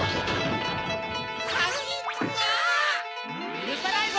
ゆるさないぞ